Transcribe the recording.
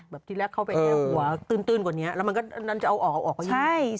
แบบที่แรกเข้าไปแล้วหัวตื้นกว่านี้แล้วมันก็นั้นจะเอาออกกว่าอยู่